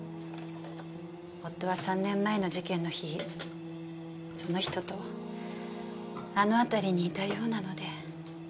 夫は３年前の事件の日その人とあの辺りにいたようなので。